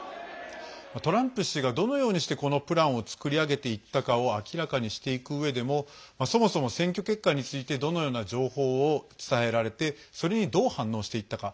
トランプ氏がどのようにして、このプランを作り上げていったかを明らかにしていくうえでもそもそも選挙結果についてどのような情報を伝えられてそれに、どう反応していったか。